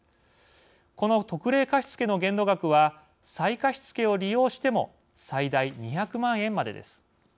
この特例貸付の限度額は再貸付を利用しても最大２００万円までです。